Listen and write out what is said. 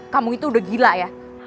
kamu itu udah gila ya